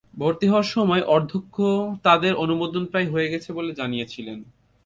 ভর্তি হওয়ার সময় অধ্যক্ষ তাঁদের অনুমোদন প্রায় হয়ে গেছে বলে জানিয়েছিলেন।